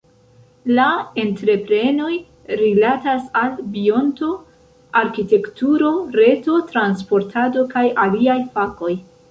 La entreprenoj rilatas al bionto, arkitekturo, reto, transportado kaj aliaj fakoj.